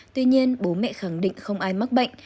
tuy nhiên bố mẹ khẳng định không ai mắc bệnh